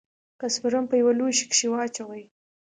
که سپرم په يوه لوښي کښې واچوې.